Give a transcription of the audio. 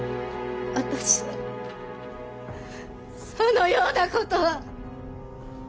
私はそのようなことは！